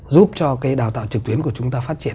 giúp cho cái đào tạo trực tuyến của chúng ta phát triển